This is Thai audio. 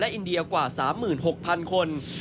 อินเดียกว่า๓๖๐๐๐คน